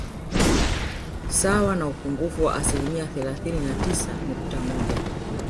Sawa na upungufu wa asilimia thelathini na tisa nukta moja